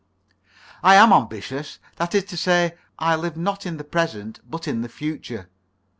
"I am ambitious. That is to say, I live not in the present, but in the future.